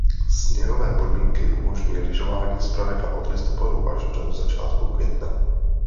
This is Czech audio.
Sněhové podmínky umožňují lyžování zpravidla od listopadu až do začátku května.